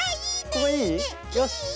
ここいい？よし。